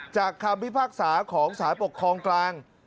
คำพิพากษาของสารปกครองกลาง